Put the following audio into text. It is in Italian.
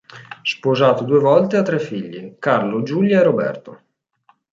Sposato due volte, ha tre figli: Carlo, Giulia e Roberto.